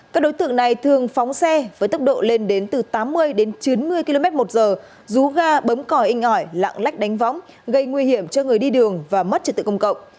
các đối tượng này thường phóng xe với tốc độ lên đến từ tám mươi đến chín mươi km một giờ rú ga bấm còi inh ỏi lạng lách đánh võng gây nguy hiểm cho người đi đường và mất trật tự công cộng